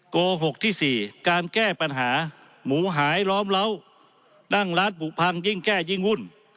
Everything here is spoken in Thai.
โกหกที่๔การแก้ปัญหาหมูหายล้อมเล้านั่งร้านผูกพังยิ่งแก้ยิ่งวุ่น